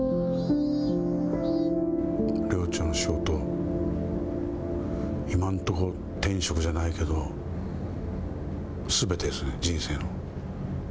寮長の仕事今のところ、天職じゃないけどすべてですね、人生の。